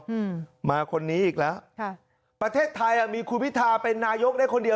อืมมาคนนี้อีกแล้วค่ะประเทศไทยอ่ะมีคุณพิทาเป็นนายกได้คนเดียว